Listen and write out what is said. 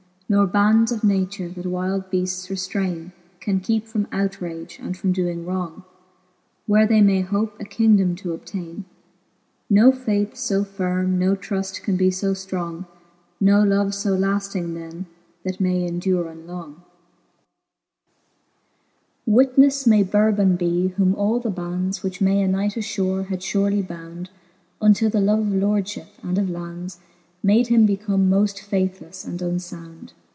Nor bands of nature, that wilde beaftes reftraine, Can keepe from outrage, and from doing wrong, Where they may hope a kingdome to obtaine. No faith {q> firme, no truft can be fo ftrong, No love fo lafting then, that may endure long. II. WitnelTe may Burhon be, whom all the bands, Which may a knight affure, had furely bound, Untill the love of lordfhip and of lands Made him become moft faithlefle and unfbund.